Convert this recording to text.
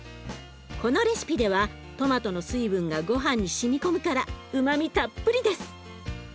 このレシピではトマトの水分がごはんにしみ込むからうまみたっぷりです！